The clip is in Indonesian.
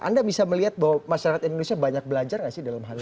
anda bisa melihat bahwa masyarakat indonesia banyak belajar gak sih dalam hal ini